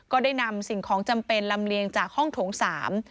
ก็ได้นำสิ่งของจำเป็นลำเลียงจากห้องโถงสาม